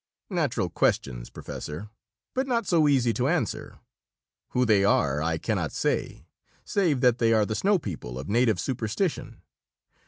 "Natural questions, Professor, but not so easy to answer. Who they are I cannot say, save that they are the snow people of native superstition.